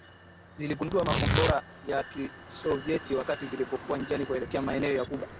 ziligundua makombora ya kisovieti wakati zilipokuwa njiani kuelekea maeneo ya Cuba